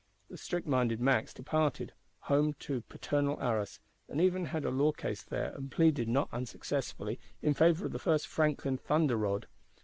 The strict minded Max departed; home to paternal Arras; and even had a Law case there and pleaded, not unsuccessfully, "in favour of the first Franklin thunder rod."